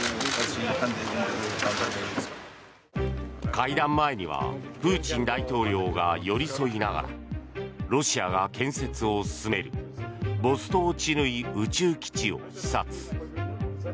会談前にはプーチン大統領が寄り添いながらロシアが建設を進めるボストーチヌイ宇宙基地を視察。